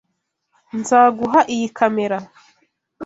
Nzaguha iyi kamera.